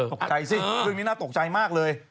ตกใจสิเรื่องนี้น่าตกใจมากเลย